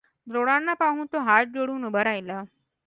द्रोणांना पाहून तो हात जोडून उभा राहिला.